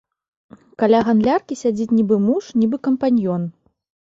Каля гандляркі сядзіць нібы муж, нібы кампаньён.